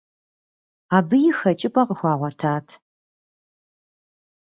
Абыи хэкӏыпӏэ къыхуагъуэтат.